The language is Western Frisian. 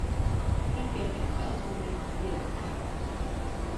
Hy kin ek elk momint hjir wêze.